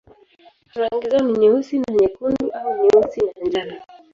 Rangi zao ni nyeusi na nyekundu au nyeusi na njano.